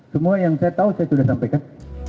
semua yang saya tahu saya sudah sampaikan